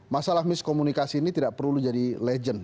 masalah miskomunikasi ini tidak perlu jadi legend